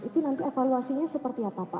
itu nanti evaluasinya seperti apa pak